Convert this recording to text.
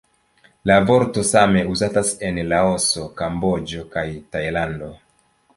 La vorto same uzatas en Laoso, Kamboĝo kaj Tajlando.